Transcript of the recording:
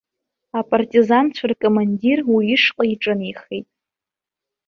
Апартизанцәа ркомандир уи ишҟа иҿынеихеит.